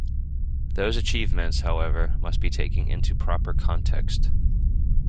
Those achievements, however, must be taken into proper context.